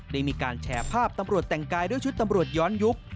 ได้มีการแชร์ภาพตำรวจแต่งกายด้วยชุดตำรวจย้อนยุค